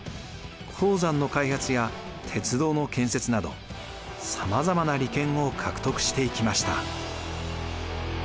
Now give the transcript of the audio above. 鉱山の開発や鉄道の建設などさまざまな利権を獲得していきました。